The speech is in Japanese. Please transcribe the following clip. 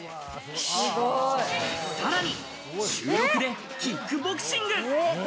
さらに週６でキックボクシング。